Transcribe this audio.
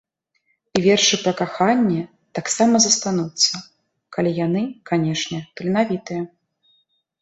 І вершы пра каханне таксама застануцца, калі яны, канешне, таленавітыя.